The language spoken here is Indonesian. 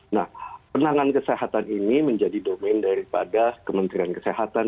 nah penanganan kesehatan ini menjadi domain daripada kementerian kesehatan